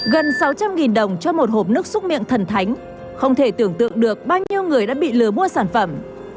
gần sáu trăm linh đồng cho một hộp nước xúc miệng thần thánh không thể tưởng tượng được bao nhiêu người đã bị lừa mua sản phẩm